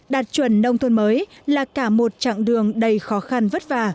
đạt chuẩn nông thôn mới là cả một chặng đường đầy khó khăn vất vả